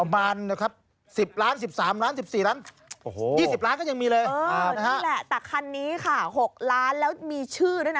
ประมาณ๑๐ล้าน๑๑ล้าน๑๓ล้าน๑๔ล้าน